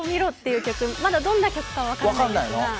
まだどんな曲かは分からないんですが。